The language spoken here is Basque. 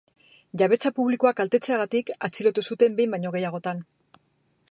Jabetza publikoa kaltetzeagatik atxilotu zuten behin baino gehiagotan.